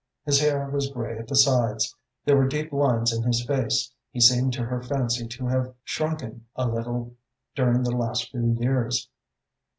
His hair was grey at the sides, there were deep lines in his face, he seemed to her fancy to have shrunken a little during the last few years.